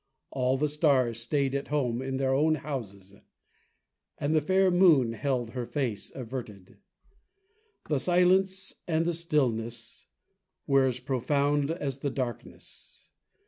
All the stars stayed at home in their own houses, and the fair moon held her face averted. The silence and the stillness were as profound as the darkness.